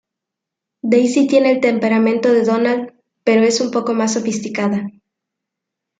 Daisy tiene el temperamento de Donald, pero es un poco más sofisticada.